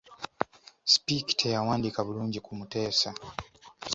Speke teyawandiika bulungi ku Muteesa.